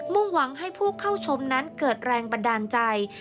่งหวังให้ผู้เข้าชมนั้นเกิดแรงบันดาลใจ